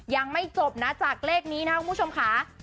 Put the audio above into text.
ยังไม่จบนะจากเลขนี้นะครับคุณผู้ชมค่ะ